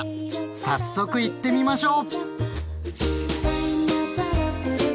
早速いってみましょう！